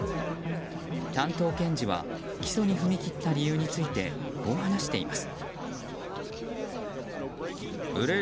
担当検事は起訴に踏み切った理由についてこう話しています。